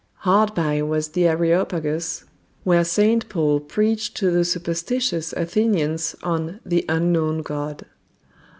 Hard by was the Areopagus, where St. Paul preached to the "superstitious" Athenians on "The Unknown God."